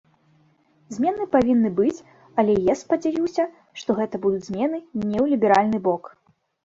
Змены павінны быць, але я спадзяюся, што гэта будуць змены не ў ліберальны бок.